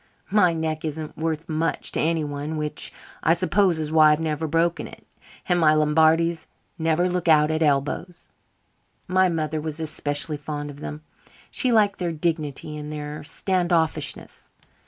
My neck isn't worth much to anyone, which, I suppose, is why I've never broken it; and my Lombardies never look out at elbows. My mother was especially fond of them. She liked their dignity and their stand offishness.